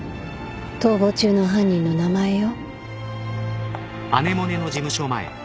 逃亡中の犯人の名前よ。